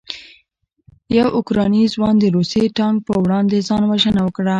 یو اوکراني ځوان د روسي ټانک په وړاندې ځان وژنه وکړه.